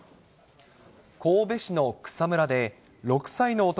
神戸市の草むらで、６歳の男